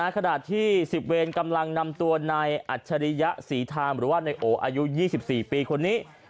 ขณะที่๑๐เวรกำลังนำตัวนายอัจฉริยะศรีธามหรือว่านายโออายุ๒๔ปีคนนี้